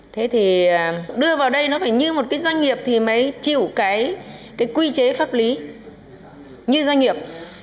thế thì đưa vào đây nó phải như một cái doanh nghiệp thì mới chịu cái quy chế pháp lý như doanh nghiệp